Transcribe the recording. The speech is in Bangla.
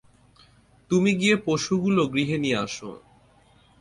তুমি গিয়ে পশু গুলো গৃহে নিয়ে আস।